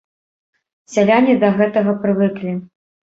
Сяляне да гэтага прывыклі.